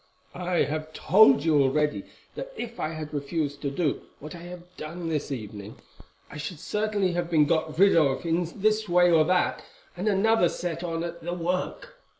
I have told you already that if I had refused to do what I have done this evening I should certainly have been got rid of in this way or that, and another set on at the work.